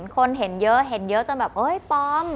คนเห็นเยอะเห็นเยอะจนแบบเอ้ยปลอม